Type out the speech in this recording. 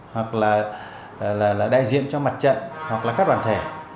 hoặc là đại diện cho mặt trận hoặc là các đoàn thể